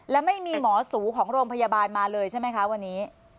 และไม่มีหมอสูของโรงพยาบาลมาเลยใช่ไหมคะวันนี้